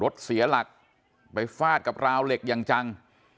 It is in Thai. เสียหลักไปฟาดกับราวเหล็กอย่างจัง